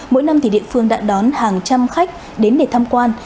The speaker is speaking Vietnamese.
mỗi năm địa phương đã đón hàng trăm khách đến để tham quan